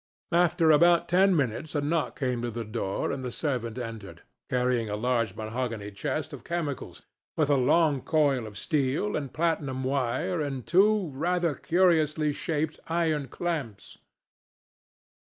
After about ten minutes a knock came to the door, and the servant entered, carrying a large mahogany chest of chemicals, with a long coil of steel and platinum wire and two rather curiously shaped iron clamps.